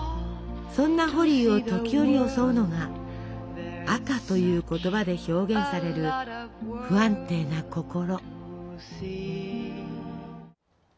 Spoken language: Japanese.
そんなホリーを時折襲うのが「赤」という言葉で表現される不安定な心。